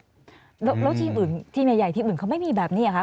แล้วทีมอื่นทีมใหญ่ทีมอื่นเขาไม่มีแบบนี้หรอคะ